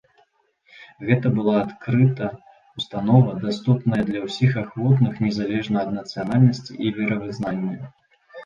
Гэта была адкрыта ўстанова, даступная для ўсіх ахвотных незалежна ад нацыянальнасці і веравызнання.